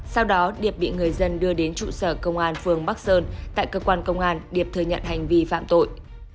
sau đó điệp bị người dân đưa đến trụ sở công an phường bắc sơn tại cơ quan công an điệp thừa nhận hành vi phạm tội